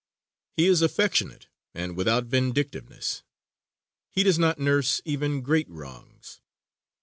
He is affectionate and without vindictiveness. He does not nurse even great wrongs.